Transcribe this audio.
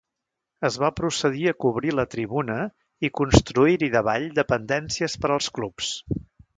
Es va procedir a cobrir la tribuna i construir-hi davall dependències per als clubs.